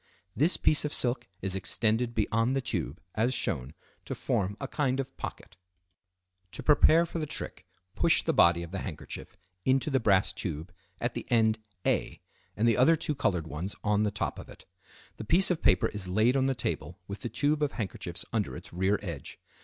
This piece of silk is extended beyond the tube, as shown, to form a kind of pocket. Fig. 13. Handkerchief fitted with Brass Tube. To prepare for the trick push the body of the handkerchief into the brass tube at the end A, and the other two colored ones on the top of it. The piece of paper is laid on the table with the tube of handkerchiefs under its rear edge.